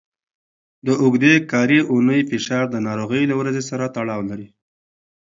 د اوږدې کاري اونۍ فشار د ناروغۍ له ورځې سره تړاو لري.